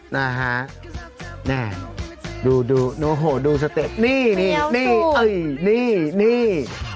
น่าฮะดูดูหนูโหดูนี่นี่นี่นี่